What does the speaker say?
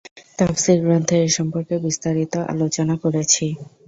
তাফসীর গ্রন্থে এ সম্পর্কে বিস্তারিত আলোচনা করেছি।